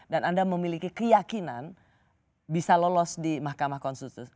dan anda memiliki keyakinan bisa lolos di mahkamah konstitusi